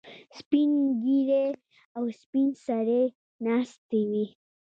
سپین ږیري او سپین سرې ناستې وي.